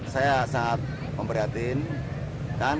saya sangat memperhatikan